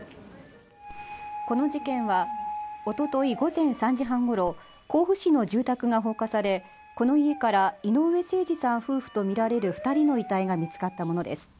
この事件はおととい午前３時半ごろ甲府市の住宅が放火されこの家から井上盛司さん夫婦とみられる二人の遺体が見つかったものです